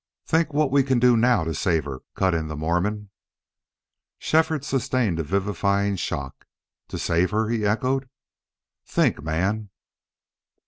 "Think what we can do NOW to save her," cut in the Mormon. Shefford sustained a vivifying shock. "To save her?" he echoed. "Think, man!"